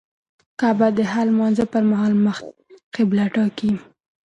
کعبه د هر لمونځه پر مهال مخ قبله ټاکي.